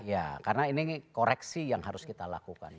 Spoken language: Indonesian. ya karena ini koreksi yang harus kita lakukan